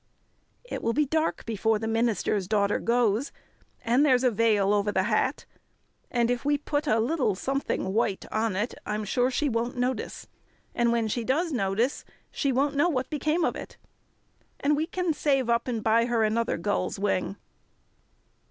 "It will be dark before the minister's daughter goes, and there's a veil over the hat, and if we put a little something white on it I'm sure she won't notice. And when she does notice she won't know what became of it. And we can save up and buy her another gull's wing."